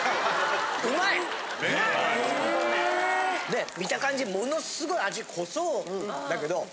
ねえ見た感じものすごい味濃そうだけど。